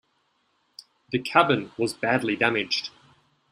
The cabin was badly damaged.